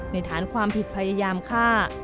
ฐานความผิดพยายามฆ่า